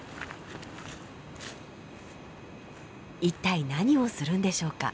一体何をするんでしょうか。